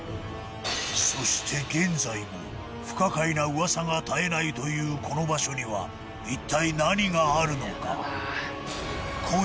そして現在も不可解な噂が絶えないというこの場所にはいったい何があるのか？